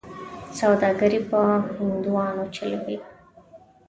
سوداګري په هندوانو چلوي.